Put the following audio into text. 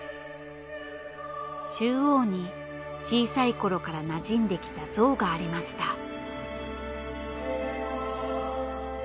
中央に小さい頃からなじんできた像がありました。